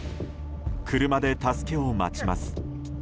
車で助けを待ちます。